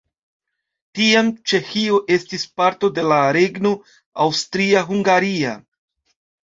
Tiam Ĉeĥio estis parto de la regno Aŭstria-Hungaria.